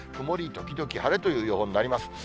曇り時々晴れという予報になります。